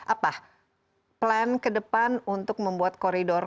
apa plan ke depan untuk membuat koridor